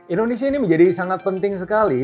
indonesia ini menjadi sangat penting sekali